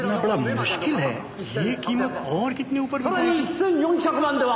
「さらに１４００万では？」